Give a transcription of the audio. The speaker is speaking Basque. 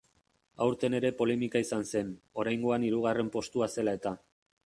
Aurten ere polemika izan zen, oraingoan hirugarren postua zela eta.